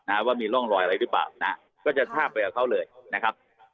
ว่ามีร่องรอยอะไรหรือเปล่านะฮะก็จะทาบไปกับเขาเลยนะครับ